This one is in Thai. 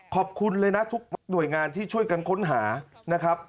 ขอบคุณเลยนะทุกหน่วยงานที่ช่วยกันค้นหานะครับ